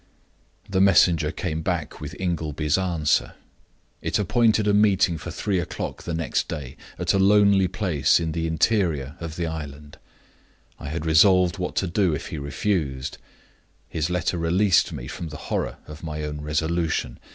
"The messenger came back with Ingleby's answer. It appointed a meeting for three o'clock the next day, at a lonely place in the interior of the island. I had resolved what to do if he refused; his letter released me from the horror of my own resolution.